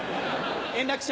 円楽師匠。